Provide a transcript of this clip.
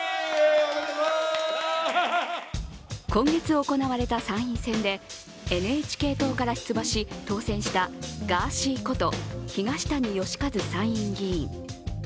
今月行われた参院選でＮＨＫ党から出馬し当選したガーシーこと東谷義和参院議員。